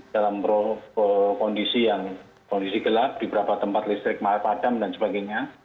dalam kondisi gelap di beberapa tempat listrik padam dan sebagainya